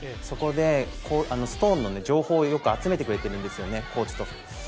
そこでストーンの情報をよく集めてくれてるんですよね、コーチと。